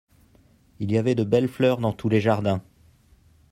Il y avait de belles fleurs dans tous les jardins.